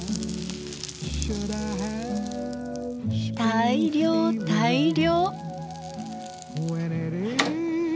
大漁大漁！